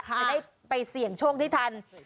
ไม่ได้ไปเสี่ยงโชคที่ทัน